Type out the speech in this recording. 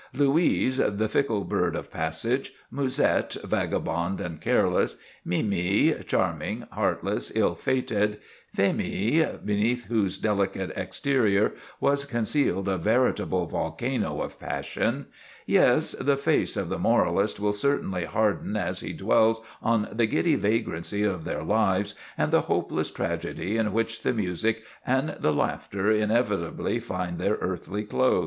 Louise, the fickle bird of passage; Musette, vagabond and careless; Mimi, charming, heartless, ill fated; Phémie, beneath whose delicate exterior was concealed a veritable volcano of passion;—yes, the face of the moralist will certainly harden as he dwells on the giddy vagrancy of their lives, and the hopeless tragedy in which the music and the laughter inevitably find their earthly close.